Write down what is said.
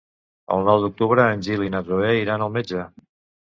El nou d'octubre en Gil i na Zoè iran al metge.